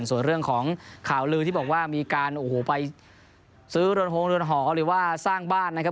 ส่วนเรื่องของข่าวลือที่บอกว่ามีการโอ้โหไปซื้อเรือนโฮงเรือนหอหรือว่าสร้างบ้านนะครับ